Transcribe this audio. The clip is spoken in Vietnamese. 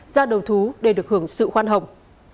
ra đầu thú để được hưởng sự khoan hồng